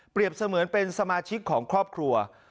เสมือนเป็นสมาชิกของครอบครัว